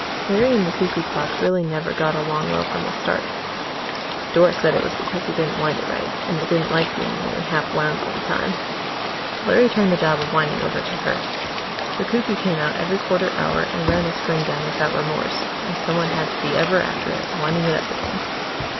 Larry and the cuckoo clock really never got along well from the start. Doris said it was because he didn't wind it right, and it didn't like being only half wound all the time. Larry turned the job of winding over to her; the cuckoo came out every quarter hour and ran the spring down without remorse, and someone had to be ever after it, winding it up again.